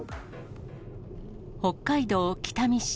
北海道北見市。